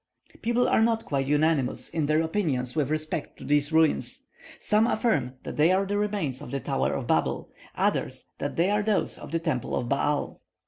People are not quite unanimous in their opinions with respect to these ruins. Some affirm that they are the remains of the Tower of Babel, others that they are those of the Temple of Baal.